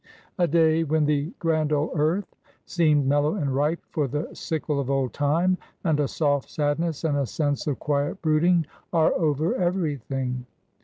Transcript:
A day when the grand old earth seemed mellow and ripe for the sickle of old Time, and a soft sadness and sense of quiet brooding are over everything.